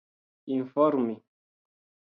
informi